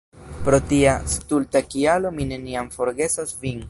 Pro tia stulta kialo mi neniam forgesos vin!